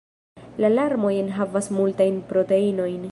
La larmoj enhavas multajn proteinojn.